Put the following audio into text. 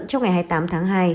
trong ngày hai mươi tám tháng hai